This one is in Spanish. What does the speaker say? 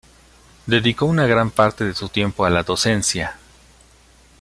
Dedicó una gran parte de su tiempo a la docencia.